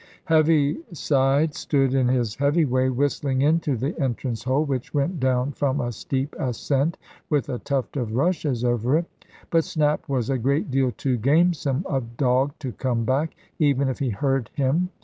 Heaviside stood, in his heavy way, whistling into the entrance hole, which went down from a steep ascent with a tuft of rushes over it. But Snap was a great deal too gamesome a dog to come back even if he heard him.